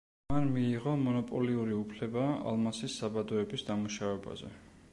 მან მიიღო მონოპოლიური უფლება ალმასის საბადოების დამუშავებაზე.